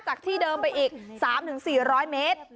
ที่เดิมไปอีก๓๔๐๐เมตร